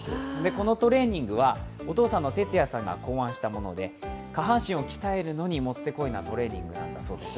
このトレーニングはお父さんの哲也さんが考案したもので、下半身を鍛えるのにもってこいなトレーニングなんだそうです。